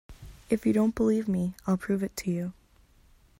If you don't believe me, I'll prove it to you!